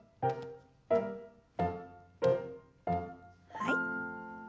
はい。